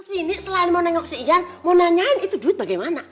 kesini selain mau nengok si ian mau nanyain itu duit bagaimana